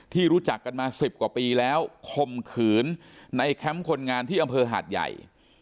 รู้จักกันมา๑๐กว่าปีแล้วคมขืนในแคมป์คนงานที่อำเภอหาดใหญ่